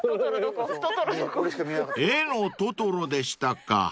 ［絵のトトロでしたか］